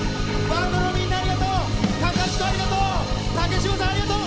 バンドのみんなありがとう！